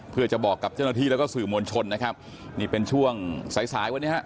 เพื่อจะบอกกับเจ้าหน้าที่แล้วก็สื่อมวลชนนะครับนี่เป็นช่วงสายสายวันนี้ฮะ